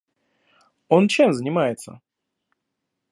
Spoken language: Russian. Он чем занимается?